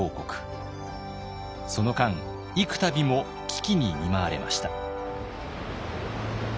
その間幾たびも危機に見舞われました。